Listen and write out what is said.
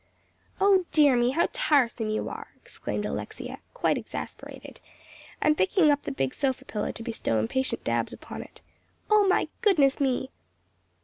"O dear me, how tiresome you are!" exclaimed Alexia, quite exasperated, and picking up the big sofa pillow to bestow impatient dabs upon it. "O my goodness me!"